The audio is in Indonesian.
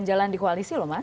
jalan di koalisi loh mas